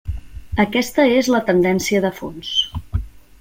Aquesta és la tendència de fons.